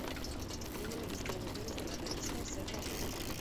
Fue uno de los promotores de la revista Serra d'Or.